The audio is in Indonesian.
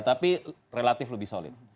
tapi relatif lebih solid